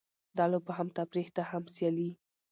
دا لوبه هم تفریح ده؛ هم سیالي.